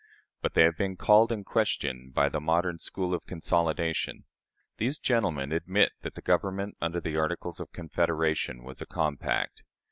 But they have been called in question by the modern school of consolidation. These gentlemen admit that the Government under the Articles of Confederation was a compact.